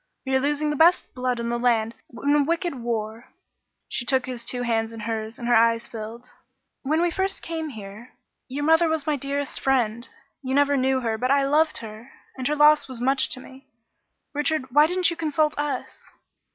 We are losing the best blood in the land in a wicked war." She took his two hands in hers, and her eyes filled. "When we first came here, your mother was my dearest friend. You never knew her, but I loved her and her loss was much to me. Richard, why didn't you consult us?"